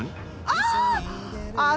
ああ！